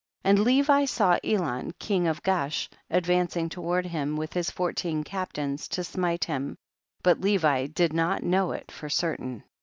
49. And Levi saw Elon, king of Gaash, advancing toward him, with his fourteen captains to smite him, but Levi did not know it /or certain.